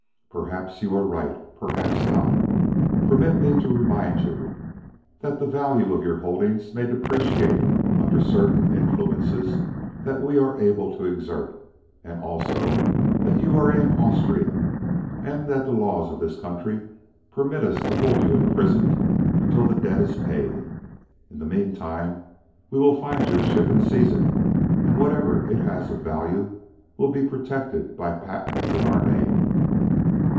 "Perhaps you are right; perhaps not. Permit me to remind you that the value of your holdings may depreciate under certain influences that we are able to exert also that you are in Austria, and that the laws of this country permit us to hold you imprisoned until the debt is paid. In the meantime we will find your ship and seize it, and whatever it has of value will be protected by patents in our name."